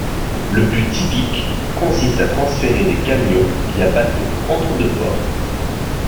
Le plus typique consiste à transférer des camions via bateau entre deux ports.